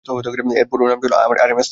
এর পুরো নাম ছিল ‘আর এম এস টাইটানিক’।